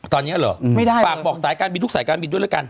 ตอนนี้เหรอไม่ได้ฝากบอกสายการบินทุกสายการบินด้วยแล้วกัน